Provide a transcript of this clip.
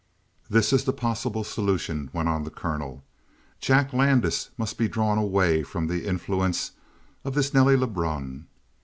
"This is the possible solution," went on the colonel. "Jack Landis must be drawn away from the influence of this Nelly Lebrun.